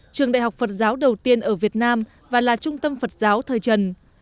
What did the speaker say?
trường đại học phật giáo đầu tiên ở việt nam và là trung tâm phật giáo thời trần